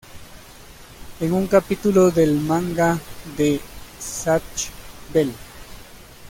En un capítulo del manga de Zatch Bell!